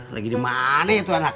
lagi dimana itu anak